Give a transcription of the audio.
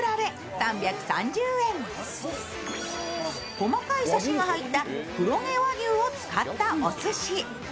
細かいサシが入った黒毛和牛を使ったお寿司。